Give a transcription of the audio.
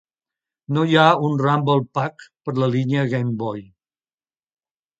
No hi ha un Rumble Pack per a la línia Game Boy.